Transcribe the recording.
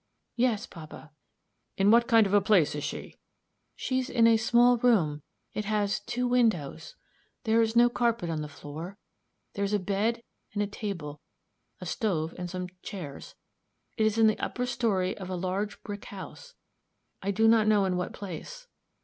"Yes, papa." "In what kind of a place is she?" "She is in a small room; it has two windows. There is no carpet on the floor. There is a bed and a table, a stove and some chairs. It is in the upper story of a large brick house, I do not know in what place."